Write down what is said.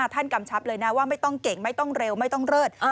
กำชับเลยนะว่าไม่ต้องเก่งไม่ต้องเร็วไม่ต้องเลิศ